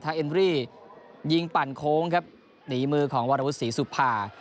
ทางเอ็นดรียิงปั่นโค้งครับหนีมือของวรรภุษศรีสุภา